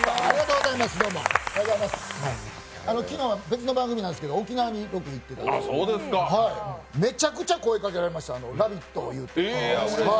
昨日、別の番組なんですけど沖縄に行っててめちゃくちゃ声かけられました、「ラヴィット！」いうて。